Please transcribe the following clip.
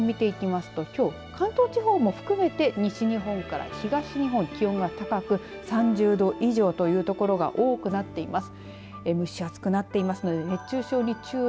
そして、この時間の気温も見ていきますときょう関東地方も含めて西日本から東日本気温が高く３０度以上という所が多くなっています。